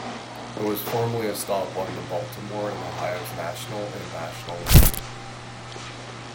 It was formerly a stop on the Baltimore and Ohio's National and National Limited.